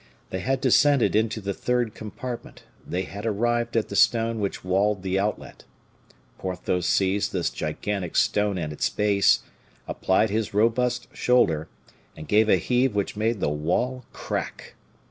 They had descended into the third compartment; they had arrived at the stone which walled the outlet. Porthos seized this gigantic stone at its base, applied his robust shoulder, and gave a heave which made the wall crack.